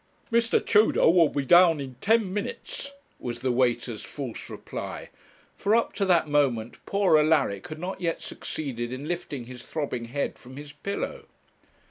'Mr. Tudor will be down in ten minutes,' was the waiter's false reply; for up to that moment poor Alaric had not yet succeeded in lifting his throbbing head from his pillow.